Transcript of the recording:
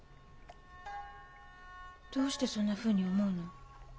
どうしてそんなふうに思うの？